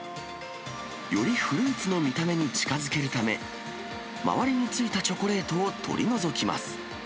よりフルーツの見た目に近づけるため、周りについたチョコレートを取り除きます。